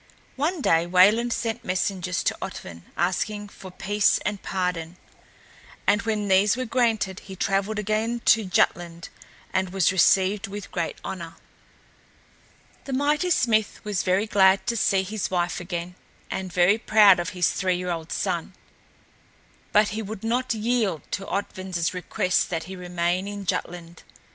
One day Wayland sent messengers to Otvin, asking for peace and pardon, and when these were granted he traveled again to Jutland and was received with great honor. The mighty smith was very glad to see his wife again and very proud of his three year old son; but he would not yield to Otvin's request that he remain in Jutland.